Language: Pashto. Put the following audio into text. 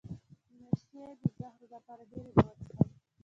د نشې د زهرو لپاره ډیرې اوبه وڅښئ